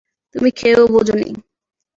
তুমি খেয়েও বোঝোনি!